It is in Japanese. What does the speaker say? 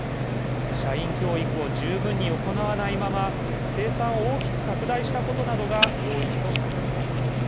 社員教育を十分に行わないまま生産を大きく拡大したことなどが要因とされています。